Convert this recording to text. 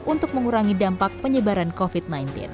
untuk mengurangi dampak penyebaran covid sembilan belas